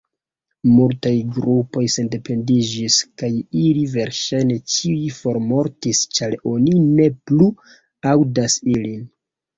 Multaj grupoj sendependiĝis, kaj ili verŝajne ĉiuj formortis ĉar oni ne plu aŭdas ilin.